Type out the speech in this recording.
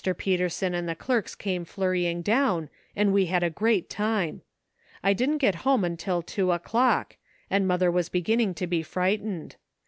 Peterson and the clerks came flurrying down, and we had a great time. I didn't get home until two o'clock, and mother was beginning to be frightened.